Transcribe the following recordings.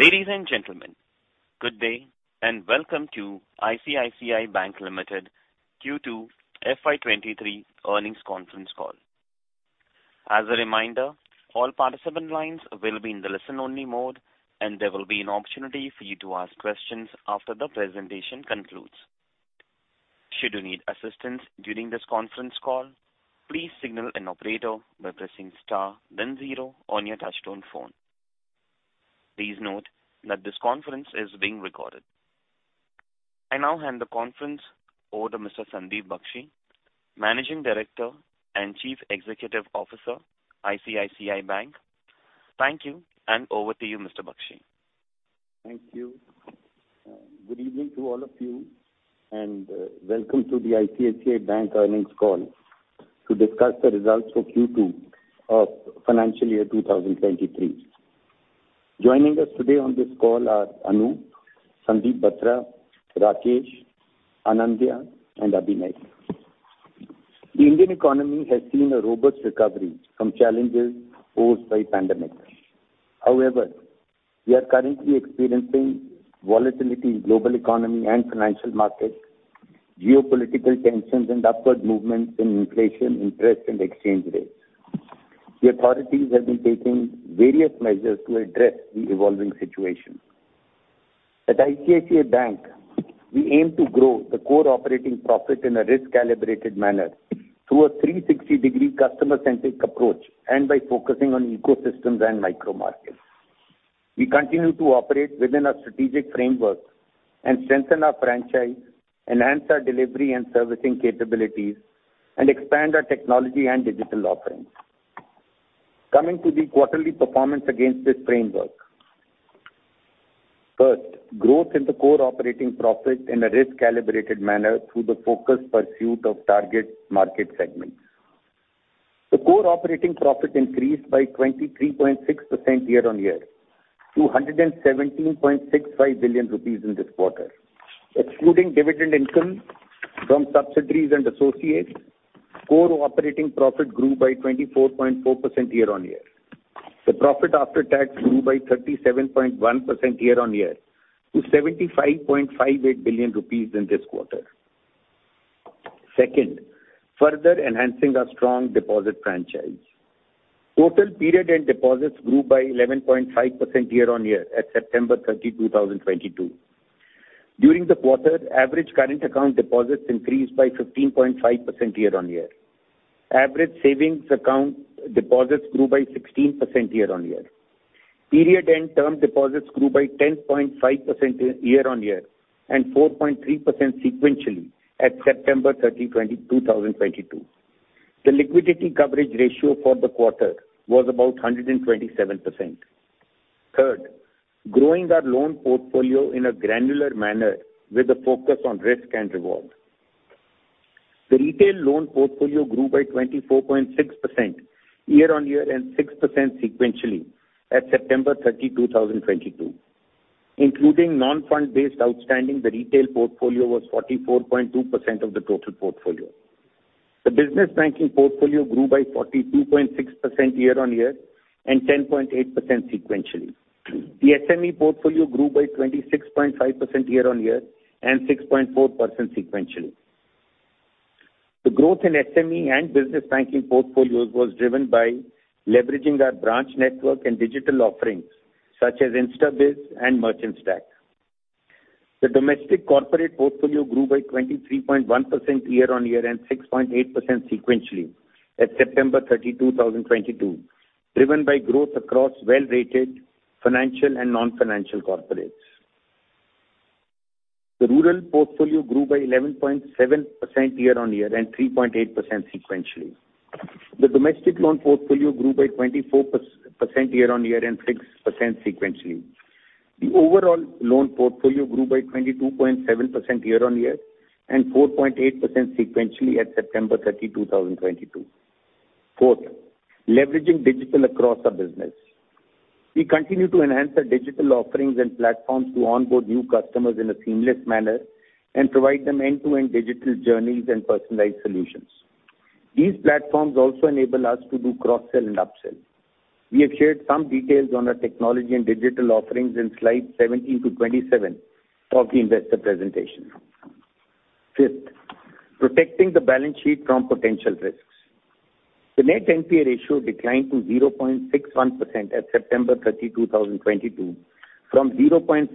Ladies and gentlemen, good day and welcome to ICICI Bank Limited Q2 FY 2023 earnings conference call. As a reminder, all participant lines will be in the listen-only mode, and there will be an opportunity for you to ask questions after the presentation concludes. Should you need assistance during this conference call, please signal an operator by pressing star then zero on your touchtone phone. Please note that this conference is being recorded. I now hand the conference over to Mr. Sandeep Bakhshi, Managing Director and Chief Executive Officer, ICICI Bank. Thank you, and over to you, Mr. Bakhshi. Thank you. Good evening to all of you, and welcome to the ICICI Bank earnings call to discuss the results for Q2 of financial year 2023. Joining us today on this call are Anup Bagchi, Sandeep Batra, Rakesh Kumar, Anindya Banerjee, and Abhinek. The Indian economy has seen a robust recovery from challenges posed by pandemic. However, we are currently experiencing volatility in global economy and financial markets, geopolitical tensions, and upward movements in inflation, interest rates, and exchange rates. The authorities have been taking various measures to address the evolving situation. At ICICI Bank, we aim to grow the core operating profit in a risk-calibrated manner through a 360-degree customer-centric approach and by focusing on ecosystems and micro-markets. We continue to operate within our strategic framework and strengthen our franchise, enhance our delivery and servicing capabilities, and expand our technology and digital offerings. Coming to the quarterly performance against this framework. First, growth in the core operating profit in a risk-calibrated manner through the focused pursuit of target market segments. The core operating profit increased by 23.6% year-on-year to 117.65 billion rupees in this quarter. Excluding dividend income from subsidiaries and associates, core operating profit grew by 24.4% year-on-year. The profit after tax grew by 37.1% year-on-year to 75.58 billion rupees in this quarter. Second, further enhancing our strong deposit franchise. Total period-end deposits grew by 11.5% year-on-year at September 30, 2022. During the quarter, average current account deposits increased by 15.5% year-on-year. Average savings account deposits grew by 16% year-on-year. Period-end term deposits grew by 10.5% year-on-year and 4.3% sequentially at September 30, 2022. The liquidity coverage ratio for the quarter was about 127%. Third, growing our loan portfolio in a granular manner with a focus on risk and reward. The retail loan portfolio grew by 24.6% year-on-year and 6% sequentially at September 30, 2022. Including non-fund-based outstanding, the retail portfolio was 44.2% of the total portfolio. The business banking portfolio grew by 42.6% year-on-year and 10.8% sequentially. The SME portfolio grew by 26.5% year-on-year and 6.4% sequentially. The growth in SME and business banking portfolios was driven by leveraging our branch network and digital offerings such as InstaBIZ and Merchant Stack. The domestic corporate portfolio grew by 23.1% year-on-year and 6.8% sequentially at September 30, 2022, driven by growth across well-rated financial and non-financial corporates. The rural portfolio grew by 11.7% year-on-year and 3.8% sequentially. The domestic loan portfolio grew by 24% year-on-year and 6% sequentially. The overall loan portfolio grew by 22.7% year-on-year and 4.8% sequentially at September 30, 2022. Fourth, leveraging digital across our business. We continue to enhance our digital offerings and platforms to onboard new customers in a seamless manner and provide them end-to-end digital journeys and personalized solutions. These platforms also enable us to do cross-sell and up-sell. We have shared some details on our technology and digital offerings in slide 17-27 of the investor presentation. Fifth, protecting the balance sheet from potential risks. The net NPA ratio declined to 0.61% at September 30, 2022 from 0.7%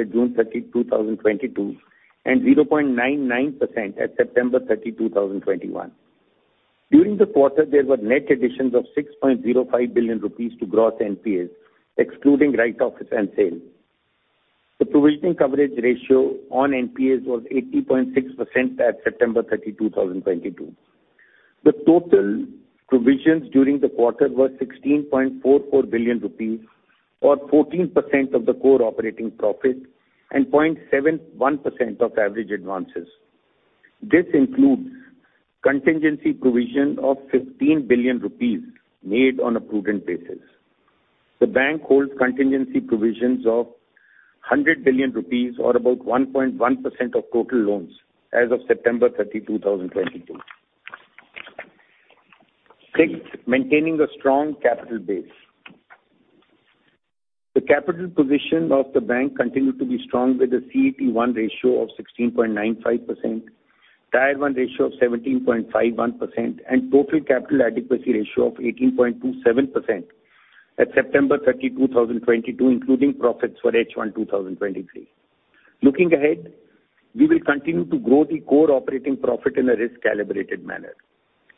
at June 30, 2022 and 0.99% at September 30, 2021. During the quarter, there were net additions of 6.05 billion rupees to gross NPAs excluding write-offs and sale. The provisioning coverage ratio on NPAs was 80.6% at September 30, 2022. The total provisions during the quarter were 16.44 billion rupees or 14% of the core operating profit and 0.71% of average advances. This includes contingency provision of 15 billion rupees made on a prudent basis. The bank holds contingency provisions of 100 billion rupees or about 1.1% of total loans as of September 30, 2022. Sixth, maintaining a strong capital base. The capital position of the bank continued to be strong with a CET1 ratio of 16.95%, Tier 1 ratio of 17.51%, and total capital adequacy ratio of 18.27% at September 30, 2022, including profits for H1 2023. Looking ahead, we will continue to grow the core operating profit in a risk-calibrated manner.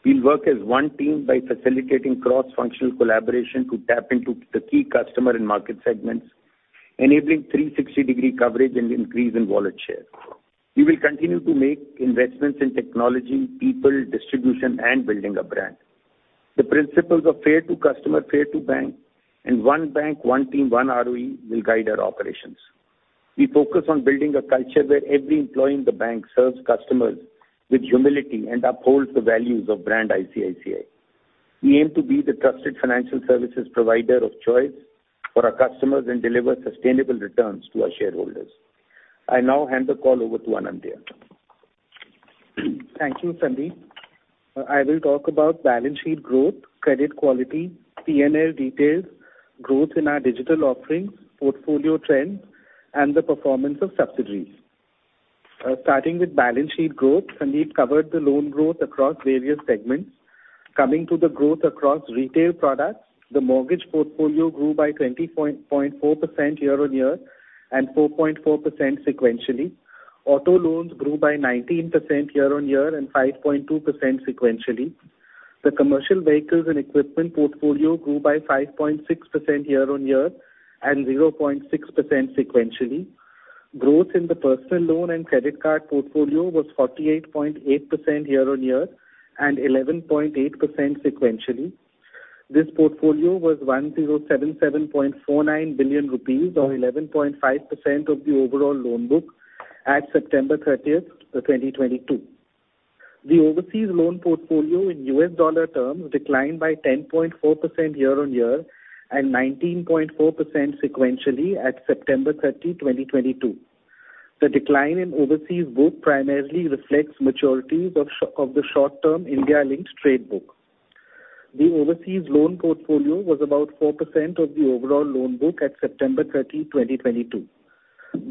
We'll work as one team by facilitating cross-functional collaboration to tap into the key customer and market segments, enabling 360-degree coverage and increase in wallet share. We will continue to make investments in technology, people, distribution, and building a brand. The principles of fair to customer, fair to bank, and one bank, one team, one ROE will guide our operations. We focus on building a culture where every employee in the bank serves customers with humility and upholds the values of brand ICICI. We aim to be the trusted financial services provider of choice for our customers and deliver sustainable returns to our shareholders. I now hand the call over to Anindya. Thank you, Sandeep. I will talk about balance sheet growth, credit quality, P&L details, growth in our digital offerings, portfolio trends, and the performance of subsidiaries. Starting with balance sheet growth, Sandeep covered the loan growth across various segments. Coming to the growth across retail products, the mortgage portfolio grew by 20.4% year-on-year and 4.4% sequentially. Auto loans grew by 19% year-on-year and 5.2% sequentially. The commercial vehicles and equipment portfolio grew by 5.6% year-on-year and 0.6% sequentially. Growth in the personal loan and credit card portfolio was 48.8% year-on-year and 11.8% sequentially. This portfolio was 1,077.49 billion rupees or 11.5% of the overall loan book at September 30, 2022. The overseas loan portfolio in US dollar terms declined by 10.4% year-on-year and 19.4% sequentially at September 30, 2022. The decline in overseas book primarily reflects maturities of the short-term India-linked trade book. The overseas loan portfolio was about 4% of the overall loan book at September 30, 2022.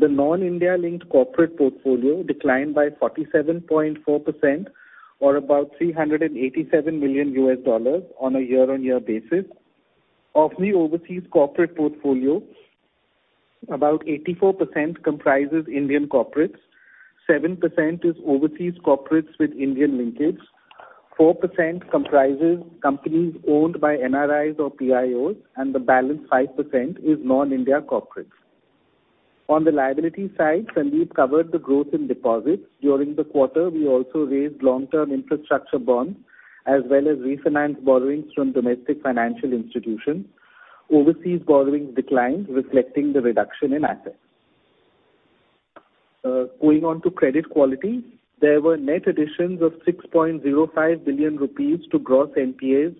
The non-India-linked corporate portfolio declined by 47.4% or about $387 million on a year-on-year basis. Of the overseas corporate portfolio, about 84% comprises Indian corporates. 7% is overseas corporates with Indian linkage. 4% comprises companies owned by NRIs or PIOs, and the balance 5% is non-India corporates. On the liability side, Sandeep covered the growth in deposits. During the quarter, we also raised long-term infrastructure bonds as well as refinanced borrowings from domestic financial institutions. Overseas borrowings declined, reflecting the reduction in assets. Going on to credit quality, there were net additions of 6.05 billion rupees to gross NPAs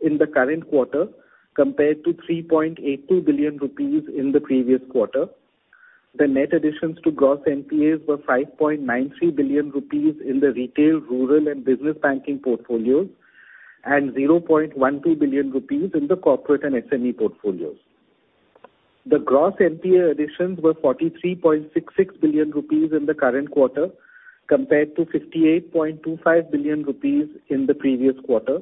in the current quarter compared to 3.82 billion rupees in the previous quarter. The net additions to gross NPAs were 5.93 billion rupees in the retail, rural, and business banking portfolios and 0.12 billion rupees in the corporate and SME portfolios. The gross NPA additions were 43.66 billion rupees in the current quarter compared to 58.25 billion rupees in the previous quarter.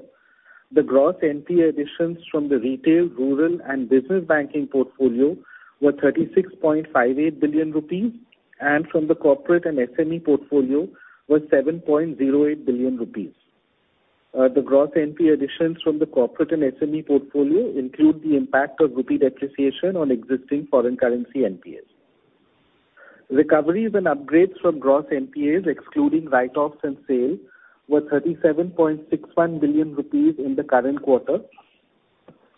The gross NPA additions from the retail, rural, and business banking portfolio were 36.58 billion rupees, and from the corporate and SME portfolio was 7.08 billion rupees. The gross NPA additions from the corporate and SME portfolio include the impact of rupee depreciation on existing foreign currency NPAs. Recoveries and upgrades from gross NPAs, excluding write-offs and sale, were 37.61 billion rupees in the current quarter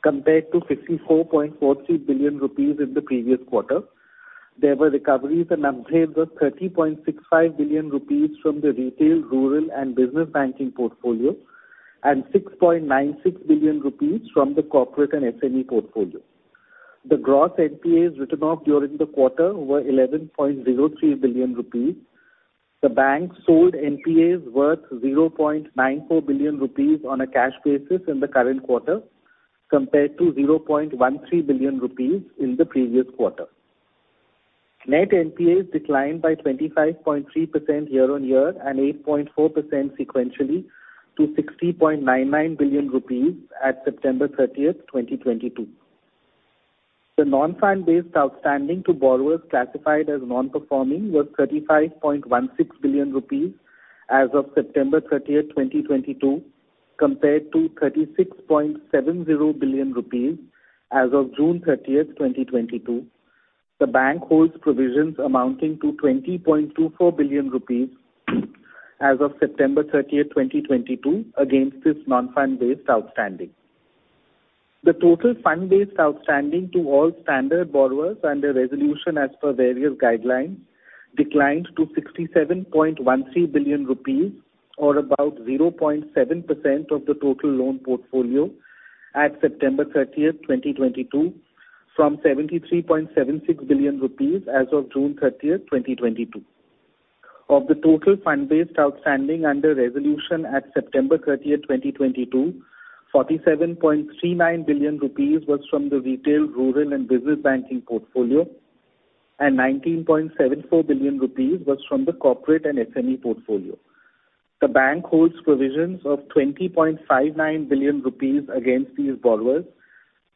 compared to 54.43 billion rupees in the previous quarter. There were recoveries and upgrades of 30.65 billion rupees from the retail, rural, and business banking portfolio and 6.96 billion rupees from the corporate and SME portfolio. The gross NPAs written off during the quarter were 11.03 billion rupees. The bank sold NPAs worth 0.94 billion rupees on a cash basis in the current quarter compared to 0.13 billion rupees in the previous quarter. Net NPAs declined by 25.3% year-on-year and 8.4% sequentially to 60.99 billion rupees at September 30, 2022. The non-fund-based outstanding to borrowers classified as non-performing was 35.16 billion rupees as of September 30, 2022, compared to 36.70 billion rupees as of June 30, 2022. The bank holds provisions amounting to 20.24 billion rupees as of September 30, 2022, against this non-fund-based outstanding. The total fund-based outstanding to all standard borrowers under resolution as per various guidelines declined to 67.13 billion rupees or about 0.7% of the total loan portfolio at September 30, 2022, from 73.76 billion rupees as of June 30, 2022. Of the total fund-based outstanding under resolution at September 30, 2022, 47.39 billion rupees was from the retail, rural, and business banking portfolio, and 19.74 billion rupees was from the corporate and SME portfolio. The bank holds provisions of 20.59 billion rupees against these borrowers,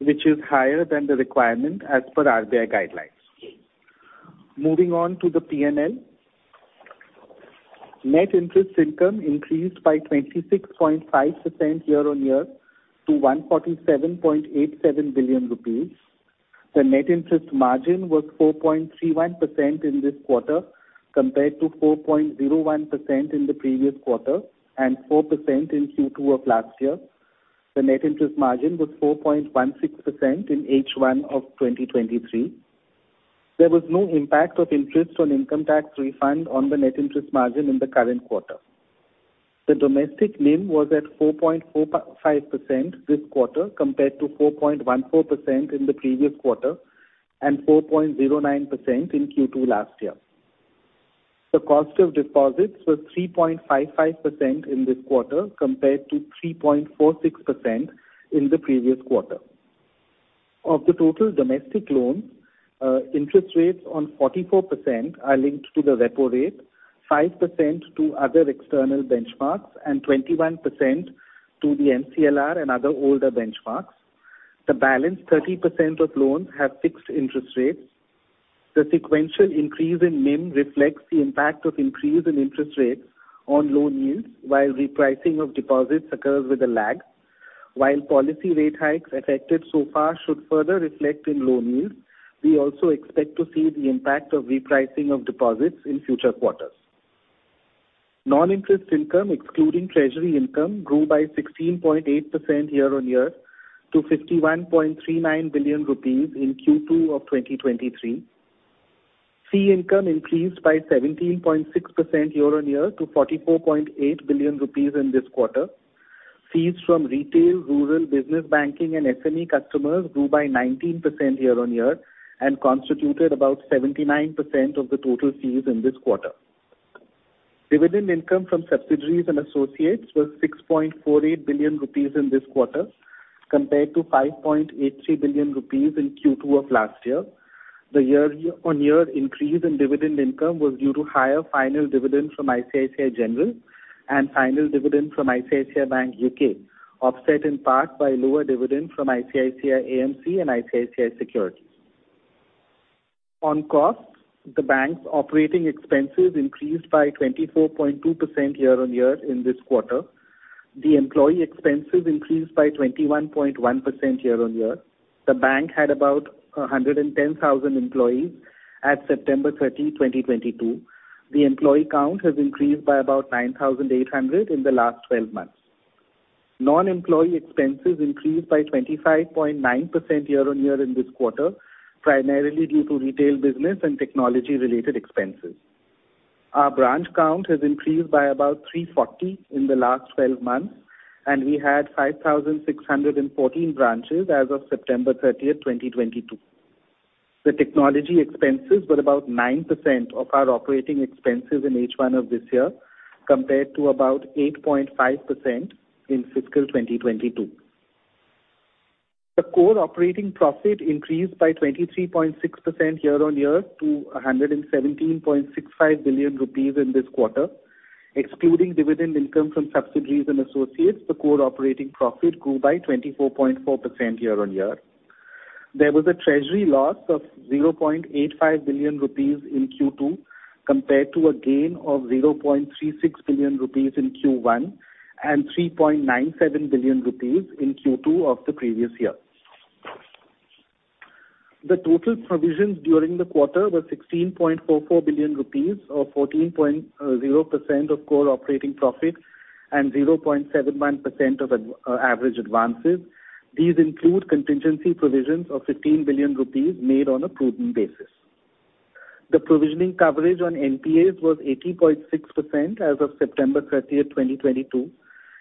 which is higher than the requirement as per RBI guidelines. Moving on to the P&L. Net interest income increased by 26.5% year-on-year to 147.87 billion rupees. The net interest margin was 4.31% in this quarter, compared to 4.01% in the previous quarter and 4% in Q2 of last year. The net interest margin was 4.16% in H1 of 2023. There was no impact of interest on income tax refund on the net interest margin in the current quarter. The domestic NIM was at 4.45% this quarter, compared to 4.14% in the previous quarter and 4.09% in Q2 last year. The cost of deposits was 3.55% in this quarter, compared to 3.46% in the previous quarter. Of the total domestic loans, interest rates on 44% are linked to the repo rate, 5% to other external benchmarks, and 21% to the MCLR and other older benchmarks. The balance 30% of loans have fixed interest rates. The sequential increase in NIM reflects the impact of increase in interest rates on loan yields, while repricing of deposits occurs with a lag. While policy rate hikes affected so far should further reflect in loan yields, we also expect to see the impact of repricing of deposits in future quarters. Non-interest income, excluding treasury income, grew by 16.8% year-on-year to 51.39 billion rupees in Q2 of 2023. Fee income increased by 17.6% year-on-year to 44.8 billion rupees in this quarter. Fees from retail, rural, business banking, and SME customers grew by 19% year-over-year and constituted about 79% of the total fees in this quarter. Dividend income from subsidiaries and associates was 6.48 billion rupees in this quarter, compared to 5.83 billion rupees in Q2 of last year. The year-over-year increase in dividend income was due to higher final dividends from ICICI General and final dividend from ICICI Bank UK, offset in part by lower dividend from ICICI AMC and ICICI Securities. On costs, the bank's operating expenses increased by 24.2% year-over-year in this quarter. The employee expenses increased by 21.1% year-over-year. The bank had about 110,000 employees at September thirtieth, 2022. The employee count has increased by about 9,800 in the last twelve months. Non-employee expenses increased by 25.9% year-on-year in this quarter, primarily due to retail business and technology-related expenses. Our branch count has increased by about 340 in the last twelve months, and we had 5,614 branches as of September 30, 2022. The technology expenses were about 9% of our operating expenses in H1 of this year, compared to about 8.5% in fiscal 2022. The core operating profit increased by 23.6% year-on-year to 117.65 billion rupees in this quarter. Excluding dividend income from subsidiaries and associates, the core operating profit grew by 24.4% year-on-year. There was a treasury loss of 0.85 billion rupees in Q2, compared to a gain of 0.36 billion rupees in Q1 and 3.97 billion rupees in Q2 of the previous year. The total provisions during the quarter were 16.44 billion rupees or 14.0% of core operating profit and 0.79% of average advances. These include contingency provisions of 15 billion rupees made on a prudent basis. The provisioning coverage on NPAs was 80.6% as of September 30, 2022.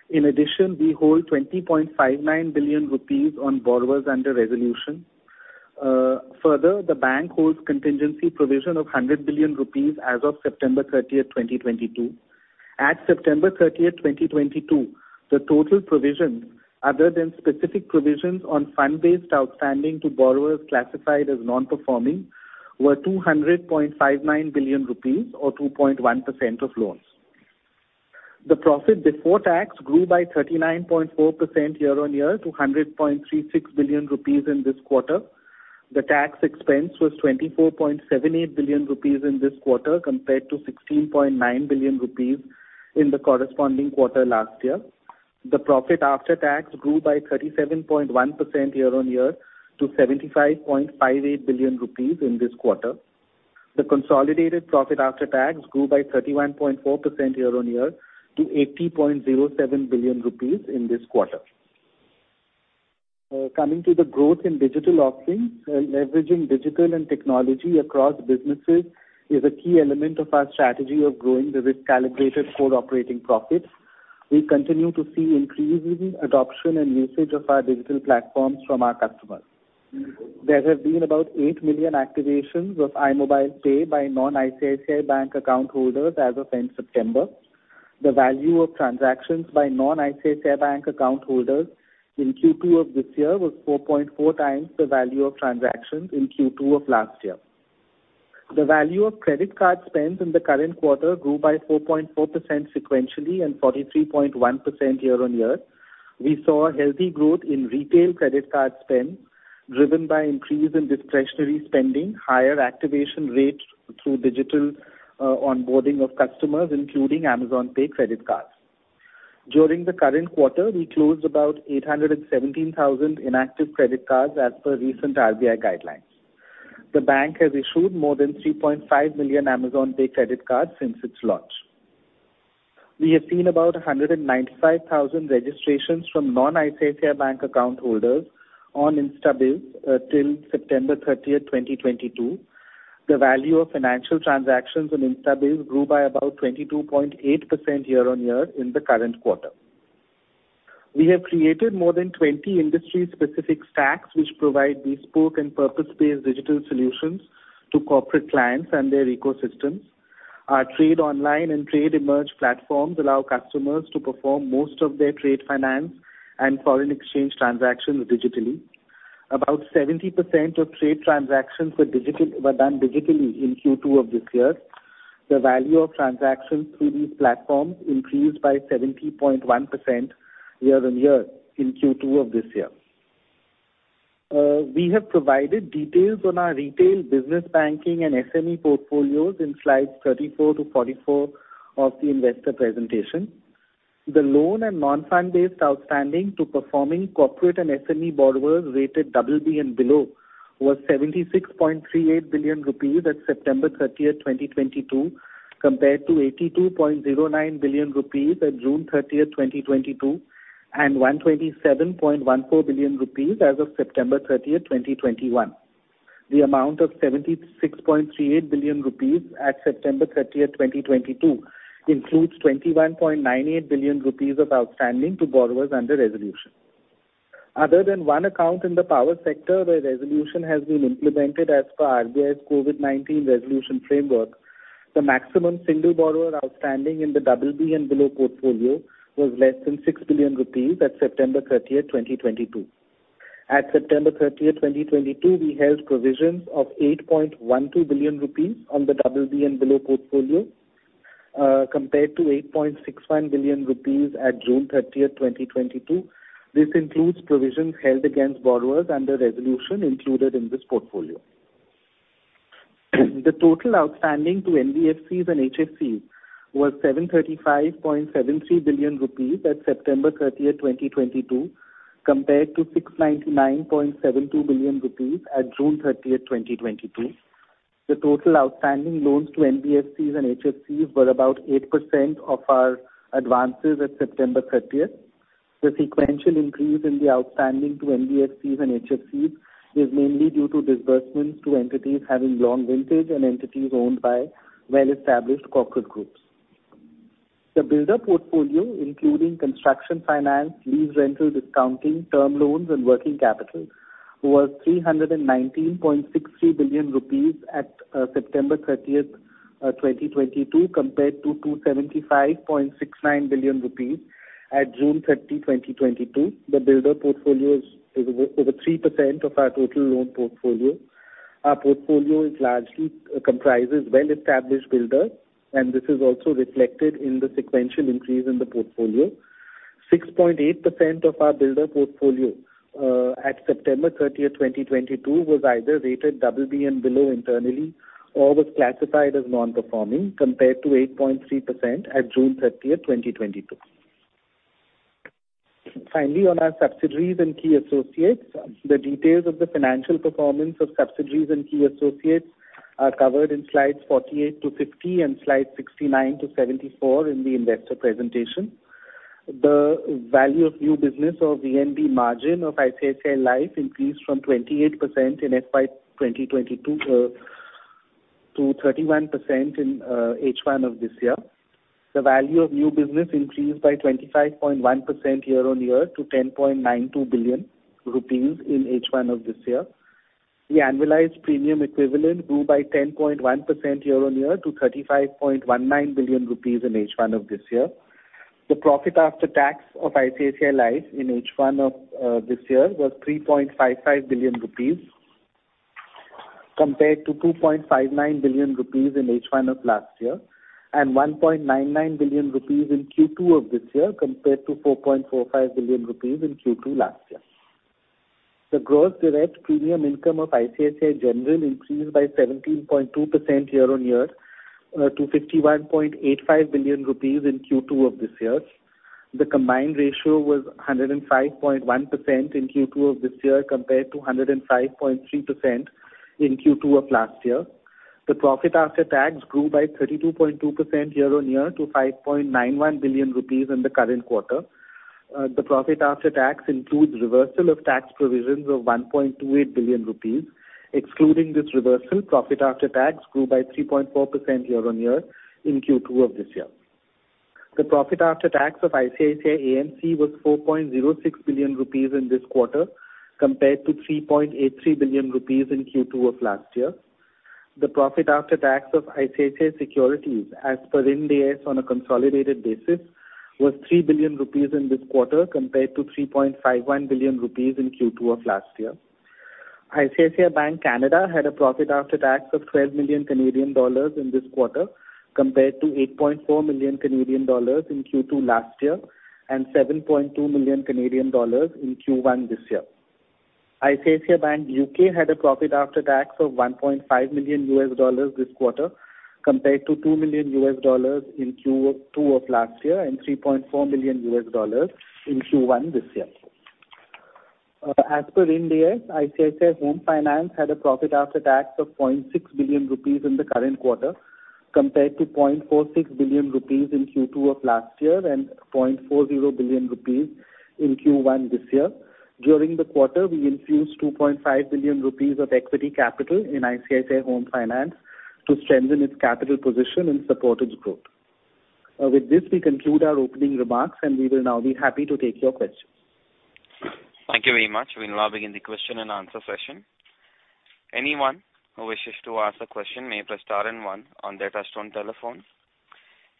In addition, we hold 20.59 billion rupees on borrowers under resolution. Further, the bank holds contingency provision of 100 billion rupees as of September 30, 2022. As of September 30, 2022, the total provisions other than specific provisions on fund-based outstanding to borrowers classified as non-performing were 200.59 billion rupees or 2.1% of loans. The profit before tax grew by 39.4% year-on-year to 100.36 billion rupees in this quarter. The tax expense was 24.78 billion rupees in this quarter, compared to 16.9 billion rupees in the corresponding quarter last year. The profit after tax grew by 37.1% year-on-year to 75.58 billion rupees in this quarter. The consolidated profit after tax grew by 31.4% year-on-year to 80.07 billion rupees in this quarter. Coming to the growth in digital offerings, leveraging digital and technology across businesses is a key element of our strategy of growing the risk-calibrated core operating profits. We continue to see increasing adoption and usage of our digital platforms from our customers. There have been about 8 million activations of iMobile Pay by non-ICICI Bank account holders as of end September. The value of transactions by non-ICICI Bank account holders in Q2 of this year was 4.4x the value of transactions in Q2 of last year. The value of credit card spends in the current quarter grew by 4.4% sequentially and 43.1% year-on-year. We saw a healthy growth in retail credit card spend, driven by increase in discretionary spending, higher activation rate through digital, onboarding of customers, including Amazon Pay credit cards. During the current quarter, we closed about 817,000 inactive credit cards as per recent RBI guidelines. The bank has issued more than 3.5 million Amazon Pay credit cards since its launch. We have seen about 195,000 registrations from non-ICICI Bank account holders on InstaBIZ till September 30, 2022. The value of financial transactions on InstaBIZ grew by about 22.8% year-on-year in the current quarter. We have created more than 20 industry specific stacks which provide bespoke and purpose-based digital solutions to corporate clients and their ecosystems. Our Trade Online and Trade Emerge platforms allow customers to perform most of their trade finance and foreign exchange transactions digitally. About 70% of trade transactions were done digitally in Q2 of this year. The value of transactions through these platforms increased by 70.1% year-on-year in Q2 of this year. We have provided details on our retail business banking and SME portfolios in slides 34-44 of the investor presentation. The loan and non-fund-based outstanding to performing corporate and SME borrowers rated BB and below was 76.38 billion rupees at September thirtieth, 2022, compared to 82.09 billion rupees at June thirtieth, 2022, and 127.14 billion rupees as of September thirtieth, 2021. The amount of 76.38 billion rupees at September thirtieth, 2022, includes 21.98 billion rupees of outstanding to borrowers under resolution. Other than one account in the power sector, where resolution has been implemented as per RBI's COVID-19 resolution framework, the maximum single borrower outstanding in the BB and below portfolio was less than 6 billion rupees at September 30, 2022. At September 30, 2022, we held provisions of 8.12 billion rupees on the BB and below portfolio, compared to 8.61 billion rupees at June 30, 2022. This includes provisions held against borrowers under resolution included in this portfolio. The total outstanding to NBFCs and HFCs was 735.73 billion rupees at September 30, 2022, compared to 699.72 billion rupees at June 30, 2022. The total outstanding loans to NBFCs and HFCs were about 8% of our advances at September 30, 2022. The sequential increase in the outstanding to NBFCs and HFCs is mainly due to disbursements to entities having long vintage and entities owned by well-established corporate groups. The builder portfolio, including construction finance, lease rental discounting, term loans, and working capital, was 319.63 billion rupees at September 30, 2022, compared to 275.69 billion rupees at June 30, 2022. The builder portfolio is over 3% of our total loan portfolio. Our portfolio largely comprises well-established builders, and this is also reflected in the sequential increase in the portfolio. 6.8% of our builder portfolio at September 30, 2022, was either rated BB and below internally or was classified as non-performing compared to 8.3% at June 30, 2022. Finally, on our subsidiaries and key associates, the details of the financial performance of subsidiaries and key associates are covered in slides 48-50 and slides 69-74 in the investor presentation. The value of new business or VNB margin of ICICI Life increased from 28% in FY 2022 to 31% in H1 of this year. The value of new business increased by 25.1% year-on-year to 10.92 billion rupees in H1 of this year. The annualized premium equivalent grew by 10.1% year-on-year to INR 35.19 billion in H1 of this year. The profit after tax of ICICI Life in H1 of this year was 3.55 billion rupees compared to 2.59 billion rupees in H1 of last year and 1.99 billion rupees in Q2 of this year compared to 4.45 billion rupees in Q2 last year. The gross direct premium income of ICICI General increased by 17.2% year-on-year to 51.85 billion rupees in Q2 of this year. The combined ratio was 105.1% in Q2 of this year compared to 105.3% in Q2 of last year. The profit after tax grew by 32.2% year-on-year to 5.91 billion rupees in the current quarter. The profit after tax includes reversal of tax provisions of 1.28 billion rupees. Excluding this reversal, profit after tax grew by 3.4% year-on-year in Q2 of this year. The profit after tax of ICICI AMC was 4.06 billion rupees in this quarter, compared to 3.83 billion rupees in Q2 of last year. The profit after tax of ICICI Securities, as per Ind AS on a consolidated basis, was 3 billion rupees in this quarter, compared to 3.51 billion rupees in Q2 of last year. ICICI Bank Canada had a profit after tax of 12 million Canadian dollars in this quarter, compared to 8.4 million Canadian dollars in Q2 last year, and 7.2 million Canadian dollars in Q1 this year. ICICI Bank UK had a profit after tax of $1.5 million this quarter, compared to $2 million in Q2 of last year and $3.4 million in Q1 this year. As per Ind AS, ICICI Home Finance had a profit after tax of 0.6 billion rupees in the current quarter, compared to 0.46 billion rupees in Q2 of last year and 0.40 billion rupees in Q1 this year. During the quarter, we infused 2.5 billion rupees of equity capital in ICICI Home Finance to strengthen its capital position and support its growth. With this, we conclude our opening remarks, and we will now be happy to take your questions. Thank you very much. We'll now begin the question and answer session. Anyone who wishes to ask a question may press star and one on their touchtone telephone.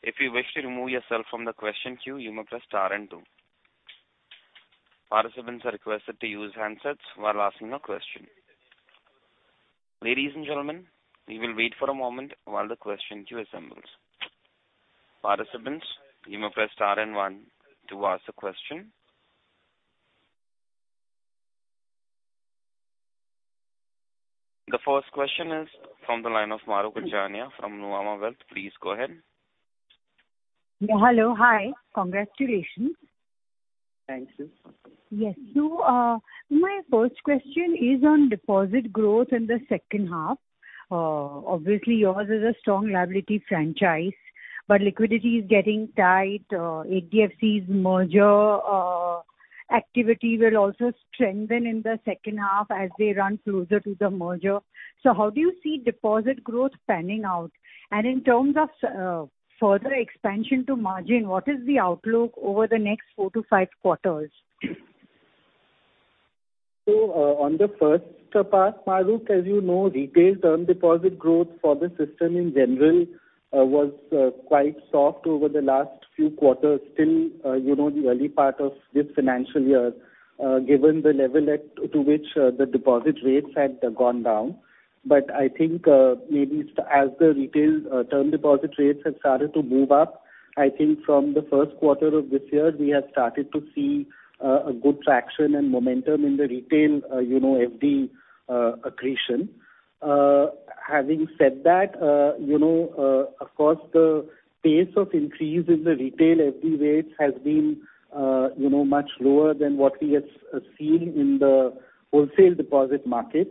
If you wish to remove yourself from the question queue, you may press star and two. Participants are requested to use handsets while asking a question. Ladies and gentlemen, we will wait for a moment while the question queue assembles. Participants, you may press star and one to ask a question. The first question is from the line of Mahrukh Adajania from Nomura Wealth. Please go ahead. Hello. Hi. Congratulations. Thanks. Yes. My first question is on deposit growth in the second half. Obviously yours is a strong liability franchise, but liquidity is getting tight. HDFC's merger activity will also strengthen in the second half as they run closer to the merger. How do you see deposit growth panning out? And in terms of further expansion to margin, what is the outlook over the next four to five quarters? On the first part, Mahrukh, as you know, retail term deposit growth for the system in general was quite soft over the last few quarters till you know the early part of this financial year given the level to which the deposit rates had gone down. I think maybe as the retail term deposit rates have started to move up, I think from the first quarter of this year, we have started to see a good traction and momentum in the retail you know FD accretion. Having said that, you know of course, the pace of increase in the retail FD rates has been you know much lower than what we have seen in the wholesale deposit market.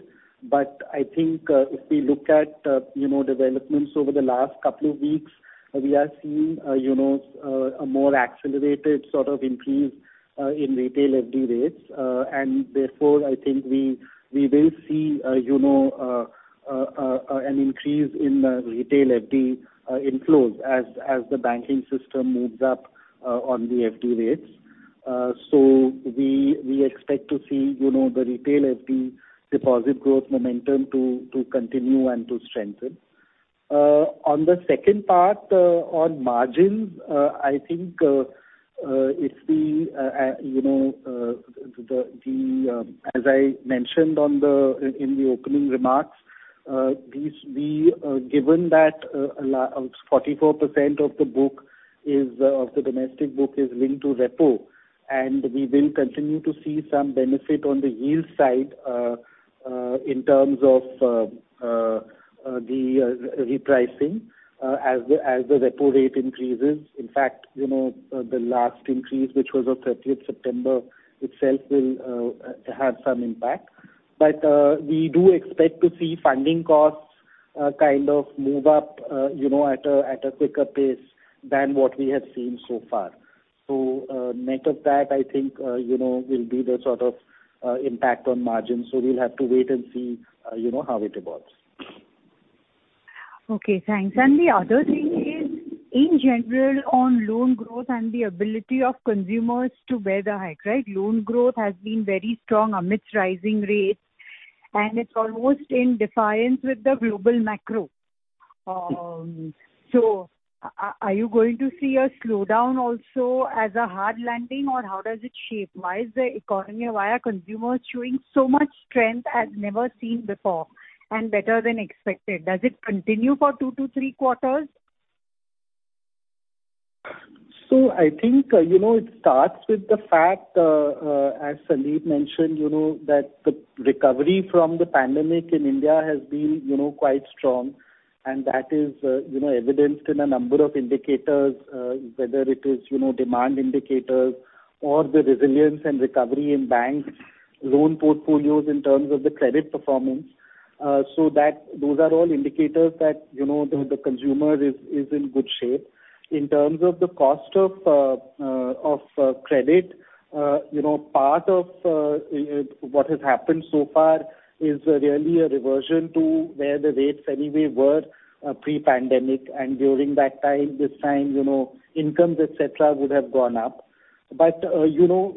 I think if we look at you know developments over the last couple of weeks we are seeing you know a more accelerated sort of increase in retail FD rates. Therefore I think we will see you know an increase in retail FD inflows as the banking system moves up on the FD rates. We expect to see you know the retail FD deposit growth momentum to continue and to strengthen. On the second part, on margins, I think if we, you know, as I mentioned in the opening remarks, given that 44% of the domestic book is linked to repo, and we will continue to see some benefit on the yield side in terms of the repricing as the repo rate increases. In fact, you know, the last increase, which was on thirtieth September itself will have some impact. We do expect to see funding costs kind of move up you know at a quicker pace than what we have seen so far. Net of that, I think, you know, will be the sort of impact on margins. We'll have to wait and see, you know, how it evolves. Okay, thanks. The other thing is, in general, on loan growth and the ability of consumers to bear the hike, right? Loan growth has been very strong amidst rising rates, and it's almost in defiance with the global macro. Are you going to see a slowdown also as a hard landing, or how does it shape? Why is the economy or why are consumers showing so much strength as never seen before and better than expected? Does it continue for two to three quarters? I think, you know, it starts with the fact, as Sandeep mentioned, you know, that the recovery from the pandemic in India has been, you know, quite strong and that is, you know, evidenced in a number of indicators, whether it is, you know, demand indicators or the resilience and recovery in banks' loan portfolios in terms of the credit performance. Those are all indicators that, you know, the consumer is in good shape. In terms of the cost of credit, you know, part of what has happened so far is really a reversion to where the rates anyway were pre-pandemic and during that time, this time, you know, incomes, et cetera, would have gone up. You know,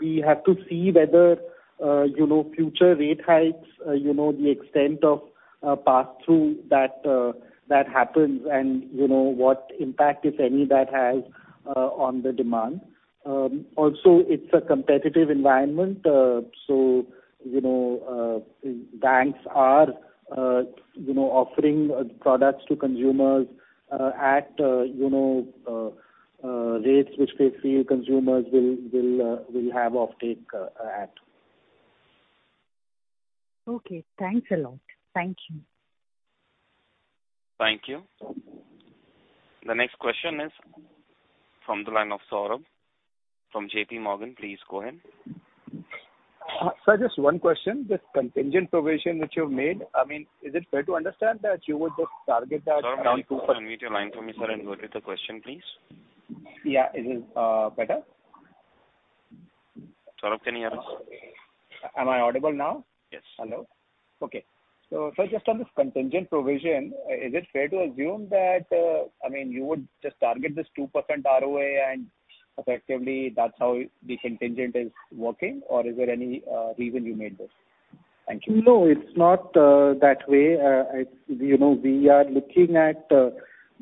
we have to see whether, you know, future rate hikes, you know, the extent of pass-through that happens and, you know, what impact, if any, that has on the demand. Also it's a competitive environment. you know, banks are, you know, offering products to consumers at, you know, rates which they feel consumers will have offtake at. Okay, thanks a lot. Thank you. Thank you. The next question is from the line of Saurabh from JPMorgan. Please go ahead. Sir, just one question. This contingent provision which you've made, I mean, is it fair to understand that you would just target that down to? Saurabh, can you unmute your line for me, sir, and go with the question, please? Yeah. Is it better? Saurabh, can you hear us? Am I audible now? Yes. Hello. Okay. Sir, just on this contingent provision, is it fair to assume that, I mean, you would just target this 2% ROA and effectively that's how this contingent is working or is there any reason you made this? Thank you. No, it's not that way. It's, you know, we are looking at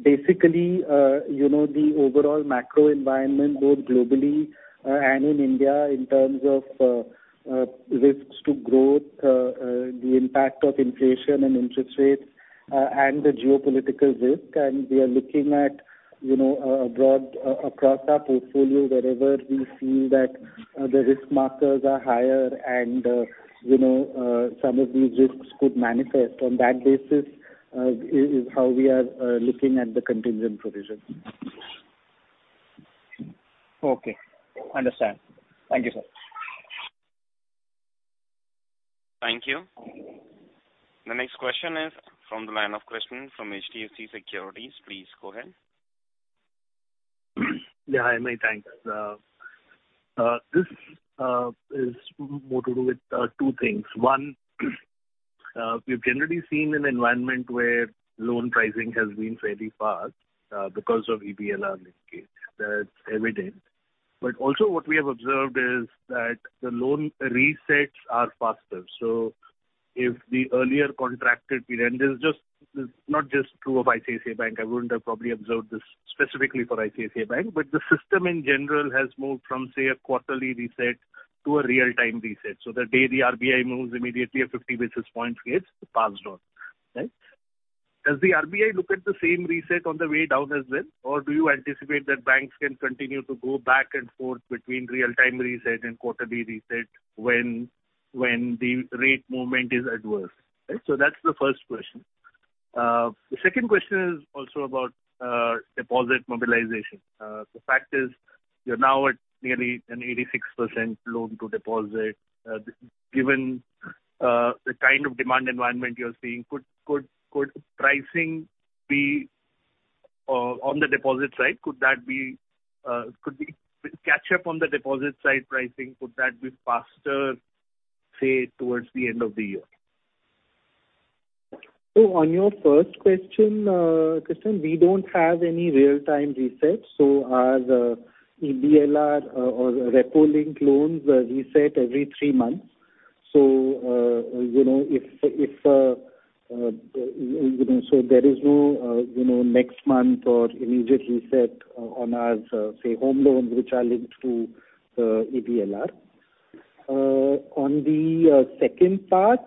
basically, you know, the overall macro environment, both globally and in India in terms of risks to growth, the impact of inflation and interest rates, and the geopolitical risk. We are looking at, you know, broad across our portfolio wherever we see that the risk markers are higher and, you know, some of these risks could manifest. On that basis is how we are looking at the contingent provision. Okay. Understand. Thank you, sir. Thank you. The next question is from the line of Krishnan from HDFC Securities. Please go ahead. Yeah. Hi, Mayank. Thanks. This is more to do with two things. One, we've generally seen an environment where loan pricing has been fairly fast because of EBLR linkage. That's evident. Also what we have observed is that the loan resets are faster. If the earlier contracted period, and this is not just true of ICICI Bank, I wouldn't have probably observed this specifically for ICICI Bank, but the system in general has moved from, say, a quarterly reset to a real time reset. The day the RBI moves, immediately a 50 basis point gets passed on. Right? Does the RBI look at the same reset on the way down as well or do you anticipate that banks can continue to go back and forth between real time reset and quarterly reset when the rate movement is adverse? Right. So that's the first question. The second question is also about deposit mobilization. The fact is you're now at nearly an 86% loan to deposit. Given the kind of demand environment you're seeing, could pricing be on the deposit side, could that be catch up on the deposit side pricing, could that be faster, say, towards the end of the year? On your first question, Krishnan, we don't have any real-time resets. Our EBLR or repo-linked loans reset every three months. You know, if you know, so there is no you know next month or immediate reset on our, say, home loans which are linked to EBLR. On the second part,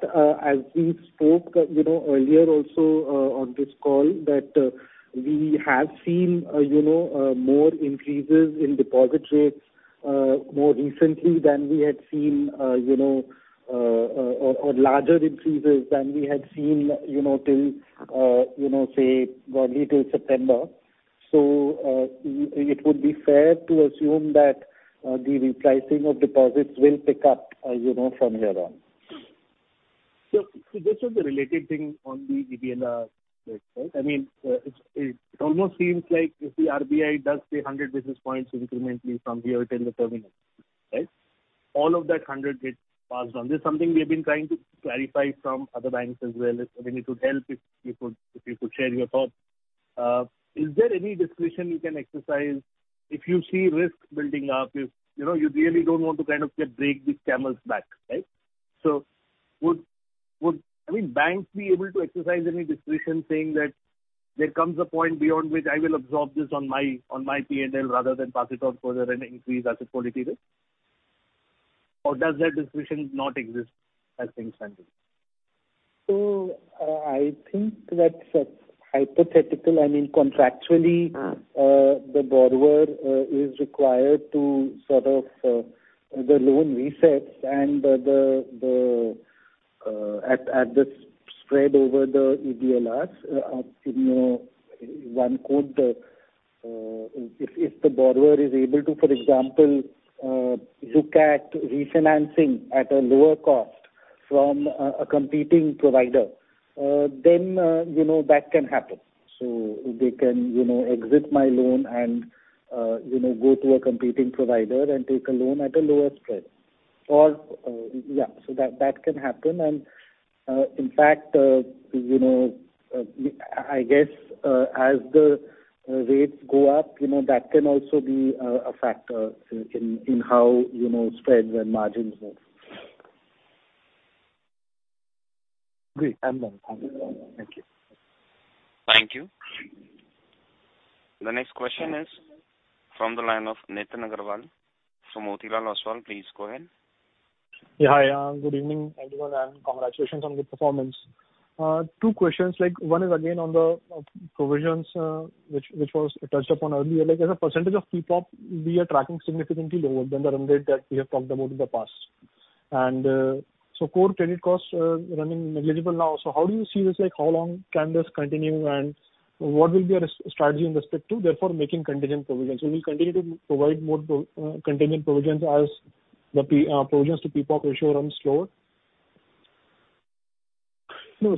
as we spoke, you know, earlier also on this call that we have seen, you know, more increases in deposit rates more recently than we had seen, you know, or larger increases than we had seen, you know, till you know say broadly till September. It would be fair to assume that the repricing of deposits will pick up, you know, from here on. Just on the related thing on the EBLR bit, right? I mean, it almost seems like if the RBI does say 100 basis points incrementally from here till the terminal, right, all of that 100 gets passed on. This is something we have been trying to clarify from other banks as well. I mean, it would help if you could share your thoughts. Is there any discretion you can exercise if you see risks building up, you know, you really don't want to kind of get break this camel's back, right? Would, I mean, banks be able to exercise any discretion saying that there comes a point beyond which I will absorb this on my P&L rather than pass it on further and increase asset quality risk? Or does that discretion not exist as things stand today? I think that's a hypothetical. I mean, contractually. The loan resets at the spread over the EBLRs, you know, one could if the borrower is able to, for example, look at refinancing at a lower cost from a competing provider, then, you know, that can happen. They can, you know, exit my loan and, you know, go to a competing provider and take a loan at a lower spread. Yeah, so that can happen. In fact, you know, I guess, as the rates go up, you know, that can also be a factor in how, you know, spreads and margins move. Great. I'm done. Thank you. Thank you. The next question is from the line of Nitin Aggarwal from Motilal Oswal. Please go ahead. Yeah, hi. Good evening, everyone, and congratulations on good performance. Two questions, like one is again on the provisions, which was touched upon earlier. Like as a percentage of PPOP, we are tracking significantly lower than the run rate that we have talked about in the past. So core credit costs are running negligible now. So how do you see this? Like, how long can this continue and what will be your strategy in respect to therefore making contingent provisions? So we'll continue to provide more contingent provisions as the provisions to PPOP ratio run slower? No.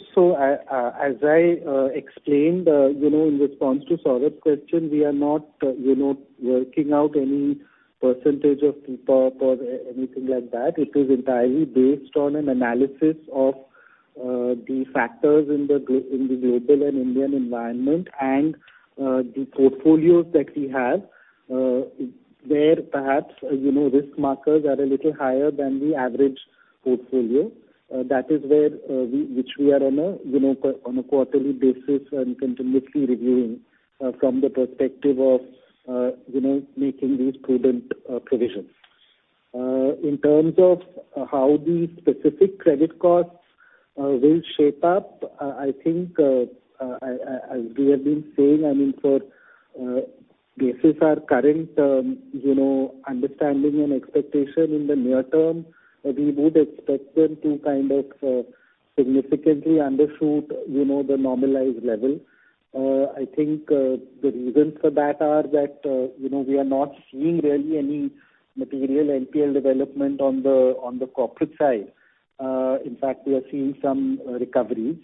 As I explained, you know, in response to Saurabh's question, we are not, you know, working out any percentage of PPOP or anything like that. It is entirely based on an analysis of the factors in the global and Indian environment and the portfolios that we have, where perhaps, you know, risk markers are a little higher than the average portfolio. That is where we are on a quarterly basis and continuously reviewing from the perspective of making these prudent provisions. In terms of how these specific credit costs will shape up, I think, as we have been saying, I mean, based on our current, you know, understanding and expectation in the near term, we would expect them to kind of significantly undershoot, you know, the normalized level. I think the reasons for that are that, you know, we are not seeing really any material NPL development on the corporate side. In fact, we are seeing some recoveries.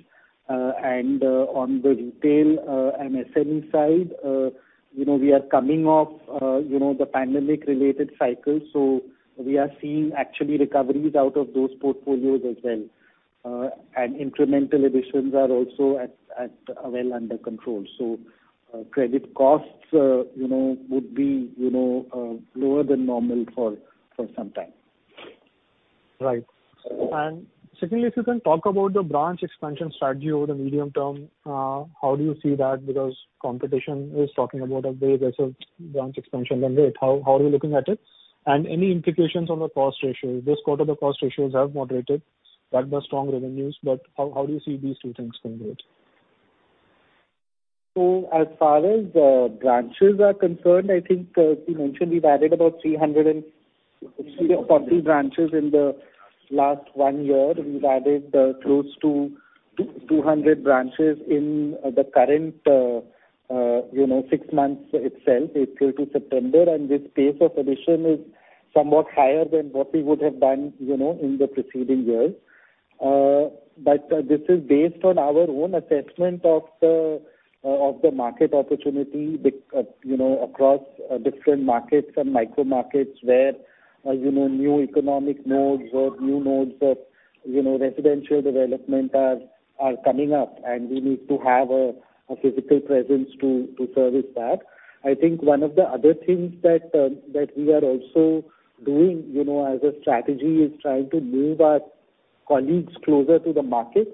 On the retail and SME side, you know, we are coming off, you know, the pandemic related cycle, so we are seeing actually recoveries out of those portfolios as well. Incremental additions are also well under control. Credit costs, you know, would be, you know, lower than normal for some time. Right. Secondly, if you can talk about the branch expansion strategy over the medium term, how do you see that? Because competition is talking about a very aggressive branch expansion run rate. How are you looking at it? Any implications on the cost ratio. This quarter the cost ratios have moderated. That was strong revenues, but how do you see these two things going forward? As far as branches are concerned, I think, as we mentioned, we've added about 340 branches in the last one year. We've added close to 200 branches in the current you know six months itself, April to September. This pace of addition is somewhat higher than what we would have done, you know, in the preceding years. This is based on our own assessment of the market opportunity you know across different markets and micro markets where you know new economic nodes or new nodes of you know residential development are coming up and we need to have a physical presence to service that. I think one of the other things that we are also doing, you know, as a strategy is trying to move our colleagues closer to the market.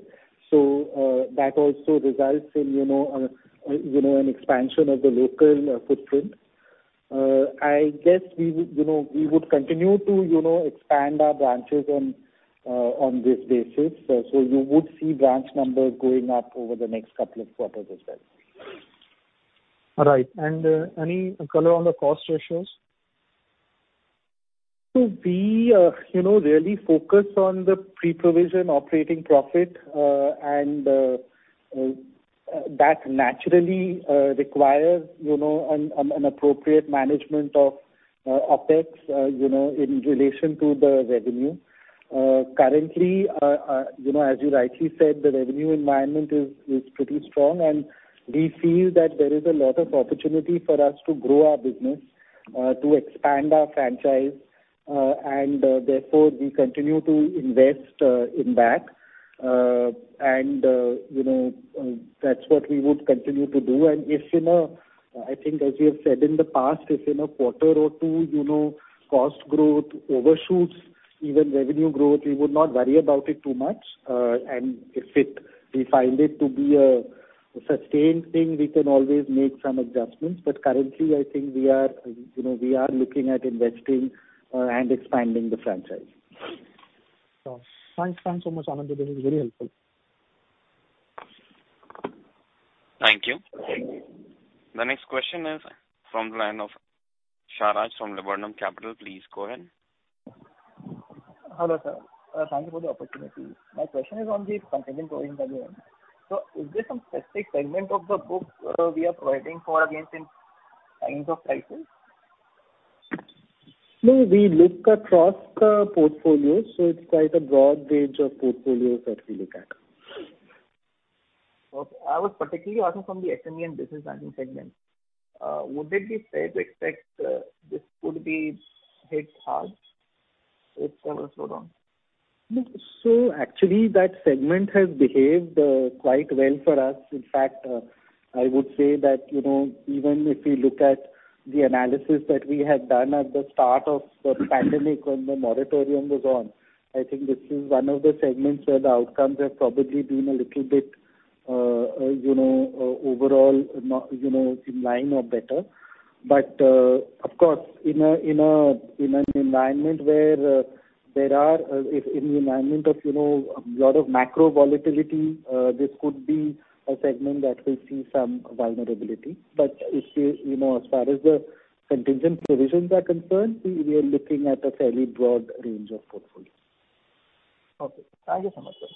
That also results in, you know, an expansion of the local footprint. I guess we would continue to, you know, expand our branches on this basis. You would see branch numbers going up over the next couple of quarters as well. All right. Any color on the cost ratios? We, you know, really focus on the pre-provision operating profit. That naturally requires, you know, an appropriate management of OpEx, you know, in relation to the revenue. Currently, you know, as you rightly said, the revenue environment is pretty strong, and we feel that there is a lot of opportunity for us to grow our business to expand our franchise, and therefore we continue to invest in that. You know, that's what we would continue to do. If, you know, I think as we have said in the past, if in a quarter or two, you know, cost growth overshoots even revenue growth, we would not worry about it too much. If we find it to be a sustained thing, we can always make some adjustments. Currently, I think we are, you know, looking at investing and expanding the franchise. Sure. Thanks. Thanks so much, Anindya Banerjee. This is very helpful. Thank you. The next question is from the line of Sharaj from Laburnum Capital. Please go ahead. Hello, sir. Thank you for the opportunity. My question is on the contingent provisions again. Is there some specific segment of the book we are providing for against in times of crisis? No, we look across the portfolios, so it's quite a broad range of portfolios that we look at. Okay. I was particularly asking from the SME and business banking segment. Would it be fair to expect, this could be hit hard if there was slowdown? Actually that segment has behaved quite well for us. In fact I would say that you know even if we look at the analysis that we had done at the start of the pandemic when the moratorium was on I think this is one of the segments where the outcomes have probably been a little bit you know overall not you know in line or better. Of course in an environment of you know a lot of macro volatility this could be a segment that will see some vulnerability. If you know as far as the contingent provisions are concerned we are looking at a fairly broad range of portfolios. Okay. Thank you so much, sir.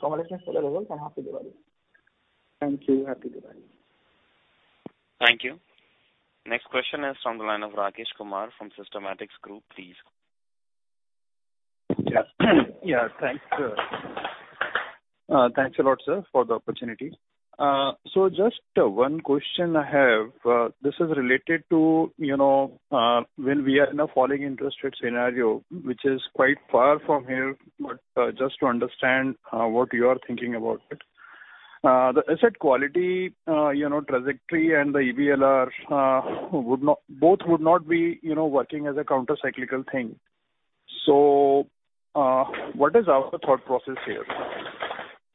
Congratulations for the results and Happy Diwali. Thank you. Happy Diwali. Thank you. Next question is from the line of Rakesh Kumar from Systematix Group. Please go ahead. Yeah. Thanks a lot, sir, for the opportunity. Just one question I have. This is related to, you know, when we are in a falling interest rate scenario, which is quite far from here, but just to understand what you are thinking about it. The asset quality, you know, trajectory and the EBLR both would not be working as a counter-cyclical thing. What is our thought process here?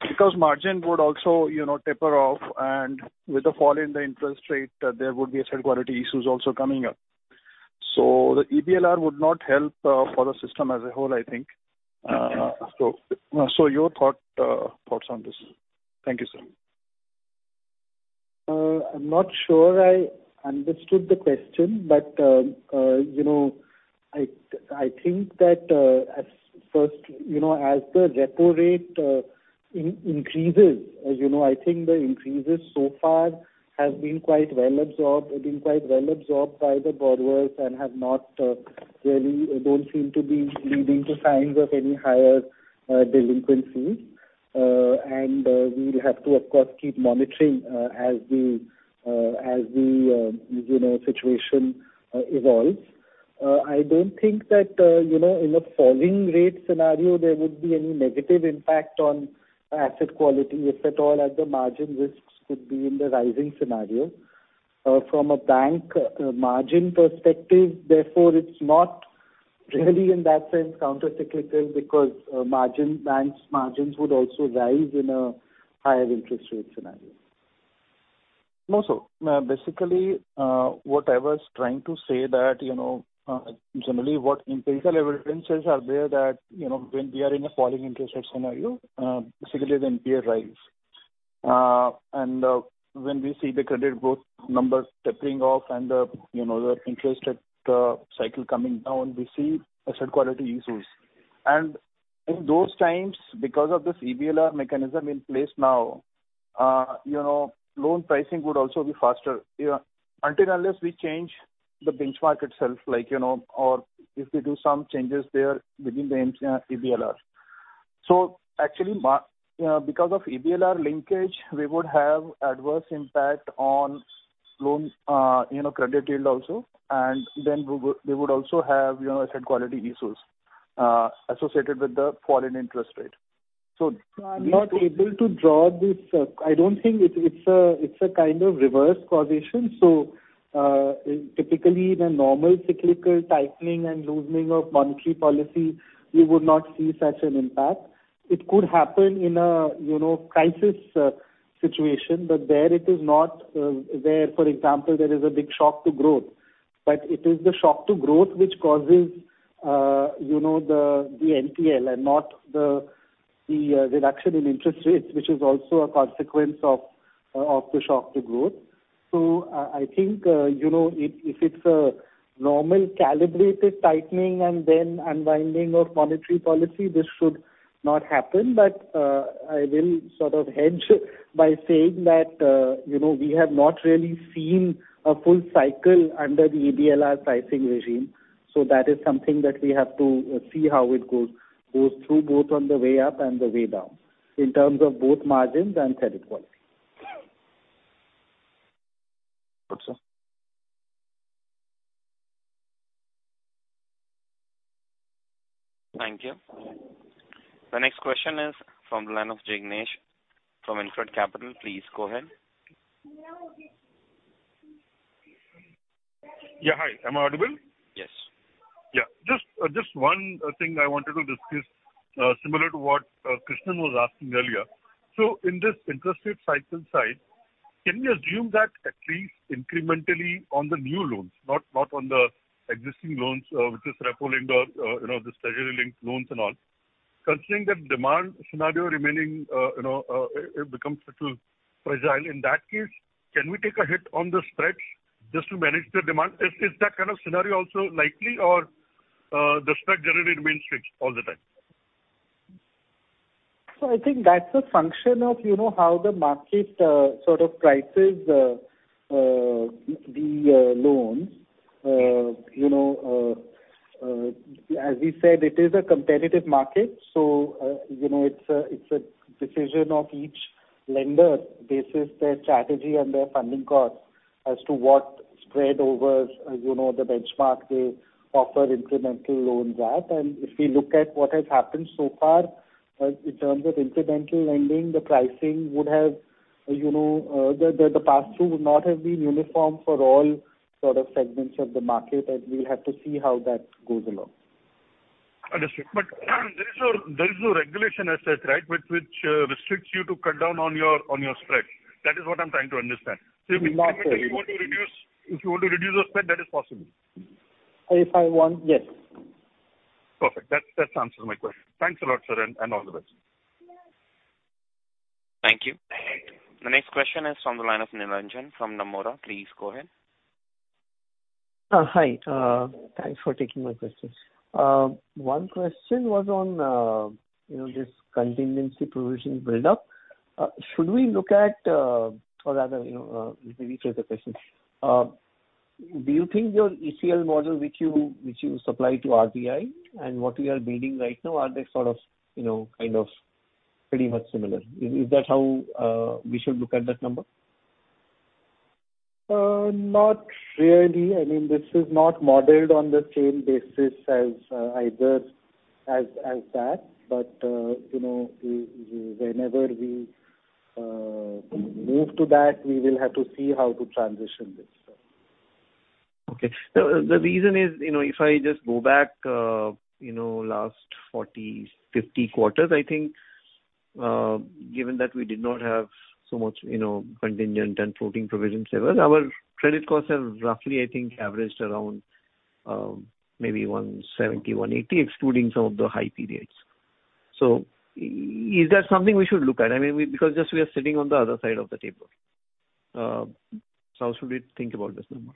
Because margin would also, you know, taper off and with the fall in the interest rate, there would be asset quality issues also coming up. The EBLR would not help for the system as a whole, I think. Your thoughts on this. Thank you, sir. I'm not sure I understood the question, but you know, I think that at first, you know, as the repo rate increases, as you know, I think the increases so far have been quite well absorbed. They've been quite well absorbed by the borrowers and really don't seem to be leading to signs of any higher delinquencies. We'll have to, of course, keep monitoring as the situation evolves. I don't think that you know, in a falling rate scenario, there would be any negative impact on asset quality, if at all, as the margin risks could be in the rising scenario. From a bank margin perspective, therefore, it's not really in that sense counter-cyclical because margin, banks' margins would also rise in a higher interest rate scenario. No, sir. Basically, what I was trying to say that, you know, generally what empirical evidences are there that, you know, when we are in a falling interest rate scenario, basically the NPL rise. When we see the credit growth numbers tapering off and, you know, the interest rate cycle coming down, we see asset quality issues. In those times, because of this EBLR mechanism in place now, you know, loan pricing would also be faster. You know, until unless we change the benchmark itself, like, you know, or if we do some changes there within the EBLR. Actually, because of EBLR linkage, we would have adverse impact on loan, you know, credit yield also, and then we would also have, you know, asset quality issues associated with the fall in interest rate. These two- I'm not able to draw this. I don't think it's a kind of reverse causation. Typically in a normal cyclical tightening and loosening of monetary policy, we would not see such an impact. It could happen in a, you know, crisis situation, but there it is not, for example, there is a big shock to growth. It is the shock to growth which causes, you know, the NPL and not the reduction in interest rates, which is also a consequence of the shock to growth. I think, you know, if it's a normal calibrated tightening and then unwinding of monetary policy, this should not happen. I will sort of hedge by saying that, you know, we have not really seen a full cycle under the EBLR pricing regime. That is something that we have to see how it goes through both on the way up and the way down in terms of both margins and credit quality. Good, sir. Thank you. The next question is from the line of Jignesh from Incred Capital. Please go ahead. Yeah. Hi. Am I audible? Yes. Just one thing I wanted to discuss, similar to what Krishnan was asking earlier. In this interest rate cycle side, can we assume that at least incrementally on the new loans, not on the existing loans, which is repo-linked or, you know, this treasury-linked loans and all? Considering that demand scenario remaining, you know, it becomes a little fragile. In that case, can we take a hit on the spreads just to manage the demand? Is that kind of scenario also likely or the spread generally remains fixed all the time? I think that's a function of, you know, how the market sort of prices the loans. You know, as we said, it is a competitive market. You know, it's a decision of each lender based on their strategy and their funding cost as to what spread over, you know, the benchmark they offer incremental loans at. If we look at what has happened so far in terms of incremental lending, the pricing would have, you know, the pass-through would not have been uniform for all sort of segments of the market, and we'll have to see how that goes along. Understood. There is no regulation as such, right? Which restricts you to cut down on your spread. That is what I'm trying to understand. Not really. If you want to reduce your spread, that is possible. If I want, yes. Perfect. That's answered my question. Thanks a lot, sir, and all the best. Thank you. The next question is from the line of Nilanjan from Nomura. Please go ahead. Hi. Thanks for taking my questions. One question was on, you know, this contingency provision build-up. Should we look at, or rather, you know, let me rephrase the question. Do you think your ECL model which you supply to RPI and what we are reading right now, are they sort of, you know, kind of pretty much similar? Is that how we should look at that number? Not really. I mean, this is not modeled on the same basis as either that. You know, whenever we move to that, we will have to see how to transition this, sir. Okay. The reason is, you know, if I just go back, you know, last 40, 50 quarters, I think, given that we did not have so much, you know, contingent and floating provision reserves, our credit costs have roughly, I think, averaged around, maybe 170, 180, excluding some of the high periods. Is that something we should look at? I mean, because we are sitting on the other side of the table. How should we think about this number?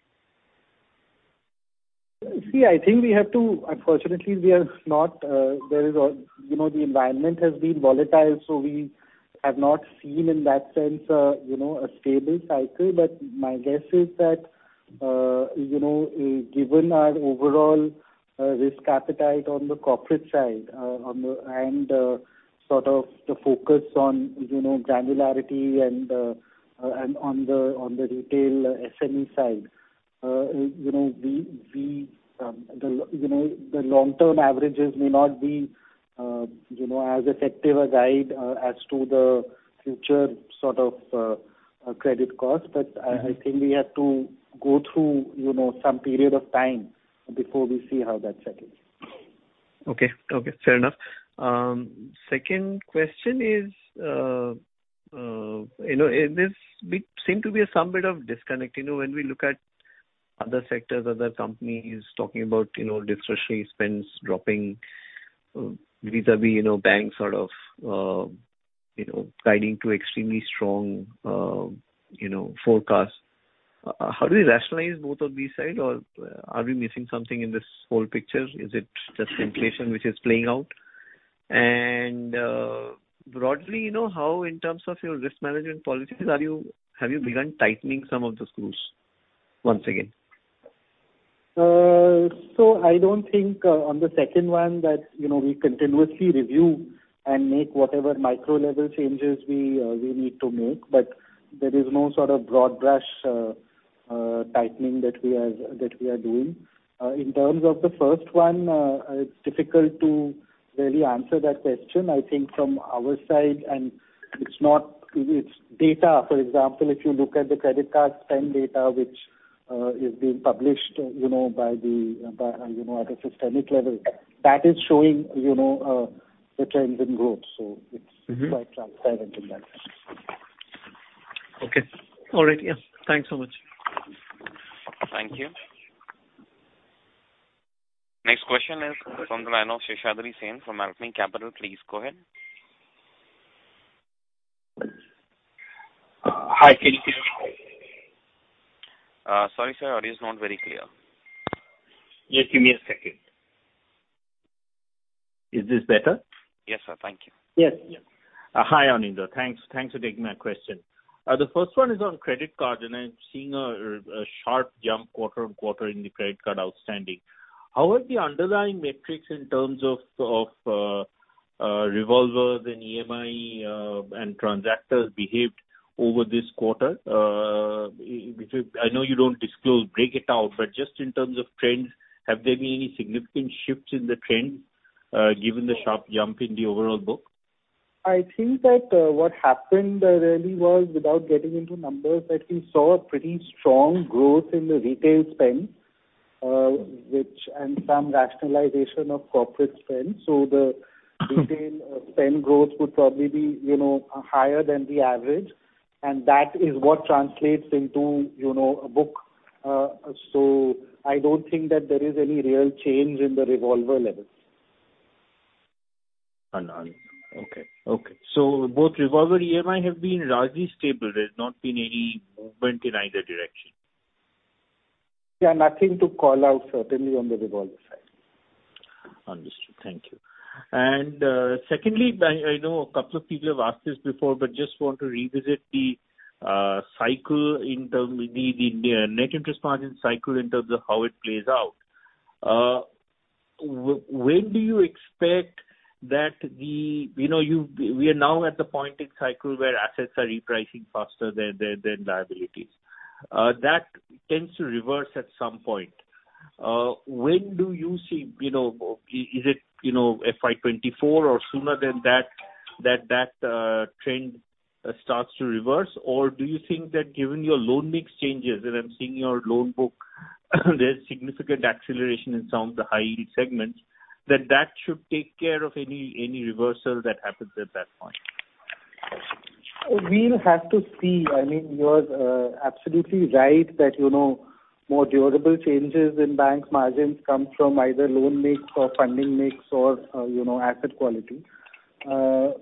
See, I think unfortunately the environment has been volatile, so we have not seen in that sense, you know, a stable cycle. My guess is that, you know, given our overall risk appetite on the corporate side and sort of the focus on, you know, granularity and on the retail SME side, you know, the long-term averages may not be, you know, as effective a guide as to the future sort of credit costs. I think we have to go through, you know, some period of time before we see how that settles. Okay, fair enough. Second question is, you know, is this we seem to be some bit of disconnect. You know, when we look at other sectors, other companies talking about, you know, discretionary spends dropping, vis-à-vis, you know, banks sort of, you know, guiding to extremely strong, you know, forecasts. How do we rationalize both of these side? Or are we missing something in this whole picture? Is it just inflation which is playing out? Broadly, you know, how, in terms of your risk management policies, are you, have you begun tightening some of the screws once again? I don't think, on the second one, that, you know, we continuously review and make whatever micro-level changes we need to make, but there is no sort of broad brush tightening that we are doing. In terms of the first one, it's difficult to really answer that question. I think from our side, it's data. For example, if you look at the credit card spend data which is being published, you know, by the you know, at a systemic level, that is showing, you know, the trends in growth. Quite transparent in that sense. Okay. All right. Yeah. Thanks so much. Thank you. Next question is from the line of Seshadri Sen from Alchemy Capital. Please go ahead. Hi. Can you hear me? Sorry, sir. Audio is not very clear. Yeah. Give me a second. Is this better? Yes, sir. Thank you. Yes. Yes. Hi, Anindya. Thanks for taking my question. The first one is on credit card, and I'm seeing a sharp jump quarter-on-quarter in the credit card outstanding. How have the underlying metrics in terms of revolvers and EMI and transactors behaved over this quarter? I know you don't disclose, break it out, but just in terms of trends, have there been any significant shifts in the trend given the sharp jump in the overall book? I think that what happened really was, without getting into numbers, that we saw a pretty strong growth in the retail spend and some rationalization of corporate spend. Retail spend growth would probably be, you know, higher than the average, and that is what translates into, you know, a book, so I don't think that there is any real change in the revolver levels. Understood. Okay. Both revolver EMI have been largely stable. There's not been any movement in either direction. Yeah, nothing to call out certainly on the revolver side. Understood. Thank you. Secondly, I know a couple of people have asked this before, but just want to revisit the net interest margin cycle in terms of how it plays out. When do you expect that the. You know, we are now at the point in cycle where assets are repricing faster than liabilities. That tends to reverse at some point. When do you see, you know, is it, you know, FY 2024 or sooner than that trend starts to reverse? Or do you think that given your loan mix changes, and I'm seeing your loan book, there's significant acceleration in some of the high-yield segments, that that should take care of any reversal that happens at that point? We'll have to see. I mean, you are absolutely right that, you know, more durable changes in bank margins come from either loan mix or funding mix or, you know, asset quality. We'll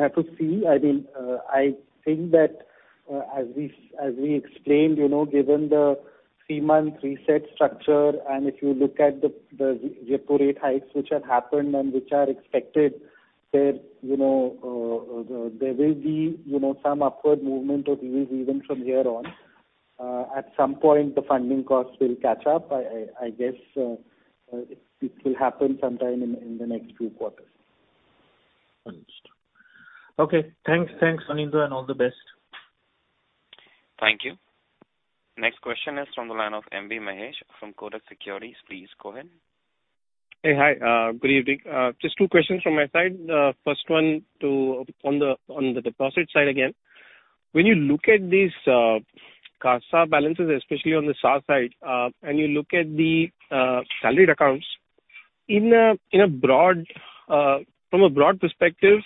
have to see. I mean, I think that, as we explained, you know, given the three-month reset structure, and if you look at the repo rate hikes which have happened and which are expected, you know, there will be, you know, some upward movement of these even from here on. At some point the funding costs will catch up. I guess it will happen sometime in the next few quarters. Understood. Okay. Thanks. Thanks, Anindya, and all the best. Thank you. Next question is from the line of M.B. Mahesh from Kotak Securities. Please go ahead. Hey. Hi. Good evening. Just two questions from my side. First one on the deposit side again. When you look at these CASA balances, especially on the SA side, and you look at the salaried accounts, from a broad perspective,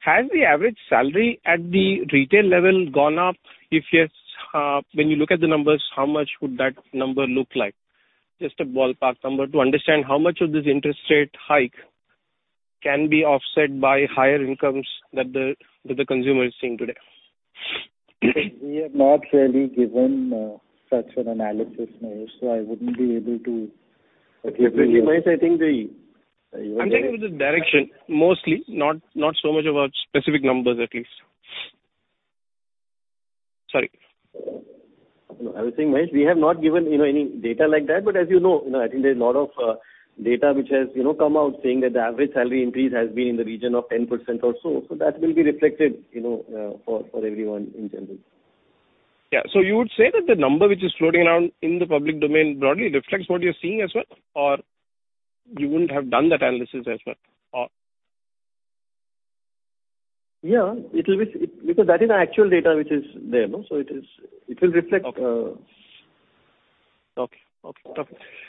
has the average salary at the retail level gone up? If yes, when you look at the numbers, how much would that number look like? Just a ballpark number to understand how much of this interest rate hike can be offset by higher incomes that the consumer is seeing today. We have not really given such an analysis, Mahesh, so I wouldn't be able to give you. Recently, Mahesh, I think. I'm talking about the direction mostly, not so much about specific numbers at least. Sorry. No. I was saying, Mahesh, we have not given, you know, any data like that. As you know, I think there's a lot of data which has, you know, come out saying that the average salary increase has been in the region of 10% or so. That will be reflected, you know, for everyone in general. Yeah. You would say that the number which is floating around in the public domain broadly reflects what you're seeing as well, or you wouldn't have done that analysis as well, or? Yeah. It'll be because that is our actual data which is there, no. It is, it will reflect. Okay.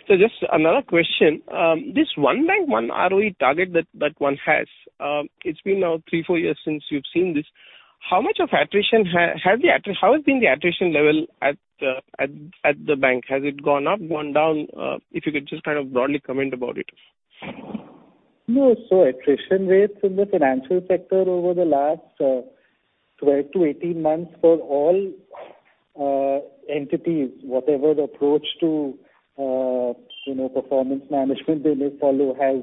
Just another question. This one bank one ROE target that one has, it's been now three to four years since you've seen this. How has the attrition level been at the bank? Has it gone up, gone down? If you could just kind of broadly comment about it. No. Attrition rates in the financial sector over the last 12-18 months for all entities, whatever the approach to, you know, performance management they may follow, has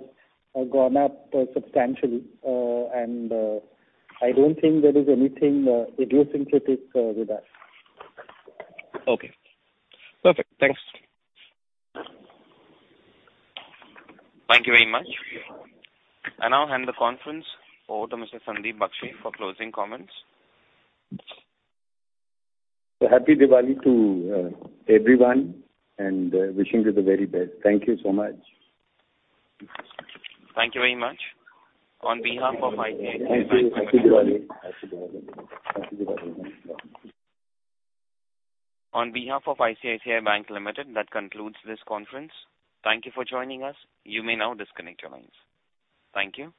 gone up substantially. I don't think there is anything idiosyncratic with us. Okay. Perfect. Thanks. Thank you very much. I now hand the conference over to Mr. Sandeep Bakhshi for closing comments. Happy Diwali to everyone, and wishing you the very best. Thank you so much. Thank you very much. On behalf of ICICI Bank Limited. Happy Diwali. Happy Diwali. Happy Diwali. On behalf of ICICI Bank Limited, that concludes this conference. Thank you for joining us. You may now disconnect your lines. Thank you.